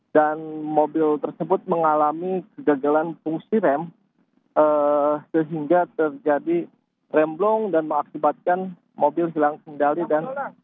dan mobil tersebut mengalami gagalan fungsi rem sehingga terjadi remblong dan mengakibatkan mobil hilang sendara